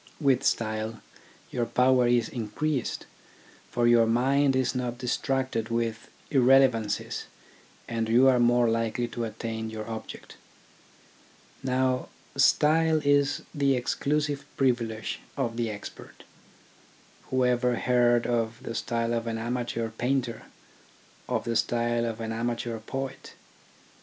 With style your power is increased, for your mind is not distracted with irrelevancies, and you are more likely to attain your object. Now style is the exclusive privilege of the expert. Whoever heard of the style of an amateur painter, of the style of an amateur poet